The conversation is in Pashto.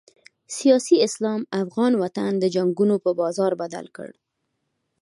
سیاسي اسلام افغان وطن د جنګونو په بازار بدل کړی.